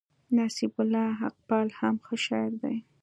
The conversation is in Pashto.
نصيب الله حقپال هم ښه شاعر دئ.